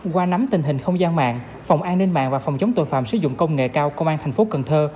qua nắm tình hình không gian mạng phòng an ninh mạng và phòng chống tội phạm sử dụng công nghệ cao công an thành phố cần thơ